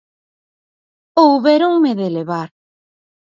Houbéronme de levar.